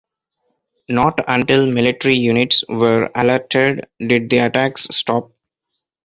Not until military units were alerted did the attacks stop.